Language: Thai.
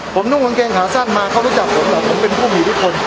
ผมนุ่งกางเกงขาสั้นมาเขารู้จักผมแหละผมเป็นผู้มีอิทธิพล